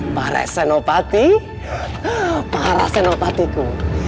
para senopati para senopatiku